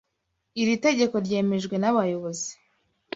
iri tegeko ryemejwe n’abayobozi